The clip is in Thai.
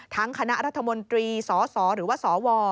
คณะรัฐมนตรีสสหรือว่าสว